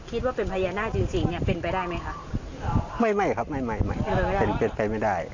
คิดว่าเป็นพญานาคจริงเนี่ยเป็นไปได้ไหมคะไม่ครับไม่ไม่เป็นไปไม่ได้